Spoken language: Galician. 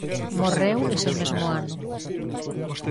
Morreu ese mesmo ano.